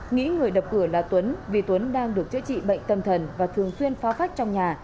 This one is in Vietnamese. nghĩ người đập cửa là tuấn vì tuấn đang được chữa trị bệnh tâm thần và thường xuyên phao phách trong nhà